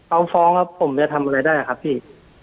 เอาฟ้องครับผมจะทำอะไรได้ครับพี่